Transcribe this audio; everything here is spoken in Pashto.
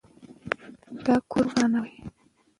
دا کور مه ورانوئ.